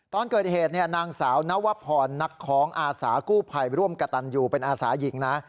ตอนเกิดเหตุนางสาวนวพรนักคล้องอาสากู้ภัยร่วมกระตันยูเป็นอาสาหญิงนะ